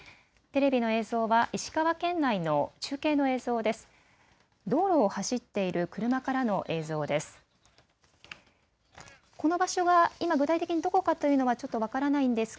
テレビの映像は石川県内の中継の映像です。